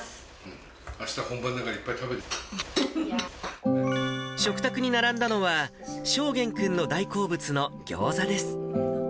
あした本番だから、いっぱい食卓に並んだのは、昇彦君の大好物のギョーザです。